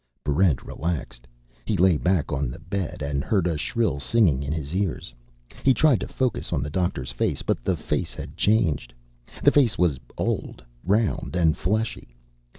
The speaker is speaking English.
Barrent relaxed. He lay back on the bed, and heard a shrill singing in his ears. He tried to focus on the doctor's face. But the face had changed. The face was old, round, and fleshy.